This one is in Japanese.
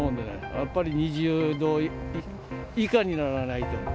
やっぱり２０度以下にならないと。